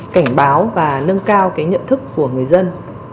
cảnh báo và nâng cao cái nhận thức của người dân